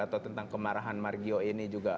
atau tentang kemarahan margio ini juga